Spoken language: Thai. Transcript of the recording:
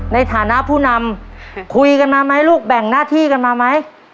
ในฐานะผู้นำคุยกันมาไหมลูกแบ่งหน้าที่กันมาไหม